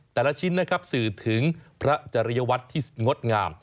แต่ละชิ้นนะครับสื่อถึงพระจริยวัตรที่งดงาม